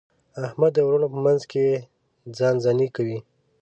احمد د وروڼو په منځ کې ځان ځاني کوي.